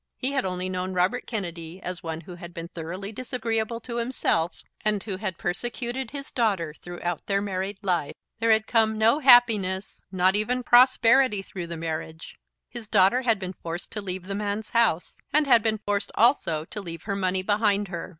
He had only known Robert Kennedy as one who had been thoroughly disagreeable to himself, and who had persecuted his daughter throughout their married life. There had come no happiness, not even prosperity, through the marriage. His daughter had been forced to leave the man's house, and had been forced also to leave her money behind her.